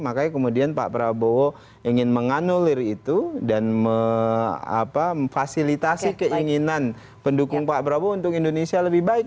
makanya kemudian pak prabowo ingin menganulir itu dan memfasilitasi keinginan pendukung pak prabowo untuk indonesia lebih baik